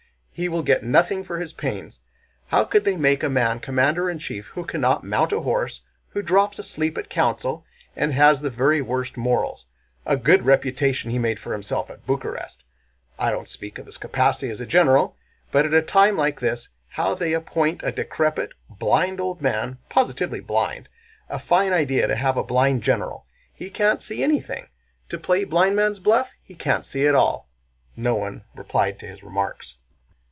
He will get nothing for his pains! How could they make a man commander in chief who cannot mount a horse, who drops asleep at a council, and has the very worst morals! A good reputation he made for himself at Bucharest! I don't speak of his capacity as a general, but at a time like this how they appoint a decrepit, blind old man, positively blind? A fine idea to have a blind general! He can't see anything. To play blindman's bulff? He can't see at all!" No one replied to his remarks.